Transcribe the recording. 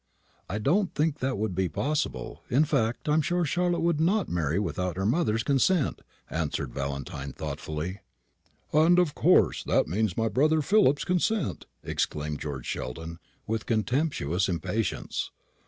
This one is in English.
"I don't think that would be possible. In fact, I am sure Charlotte would not marry without her mother's consent," answered Valentine, thoughtfully. "And of course that means my brother Philip's consent," exclaimed George Sheldon, with contemptuous impatience.